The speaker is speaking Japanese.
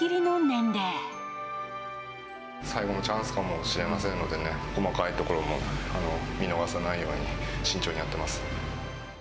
最後のチャンスかもしれませんのでね、細かいところも見逃さないように、慎重にやってます。